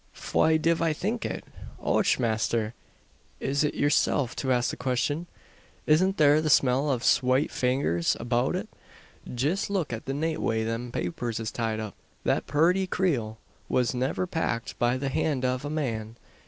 "Pwhy div I think it! Och, masther! is it yerself to ask the quistyun? Isn't there the smell av swate fingers about it? Jist look at the nate way them papers is tied up. That purty kreel was niver packed by the hand av a man.